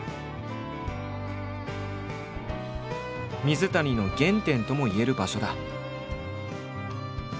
水谷の原点ともいえる場所だ。